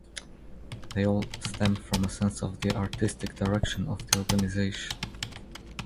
They all stem from a sense of the artistic direction of the organization.